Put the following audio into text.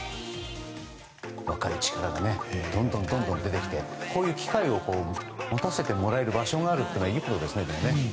若い力がどんどん出てきてこういう機会を持たせてもらえる場所があるっていいことですね。